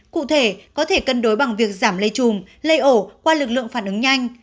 cụ thể có thể cân đối bằng việc giảm lây chùm lây ổ qua lực lượng phản ứng nhanh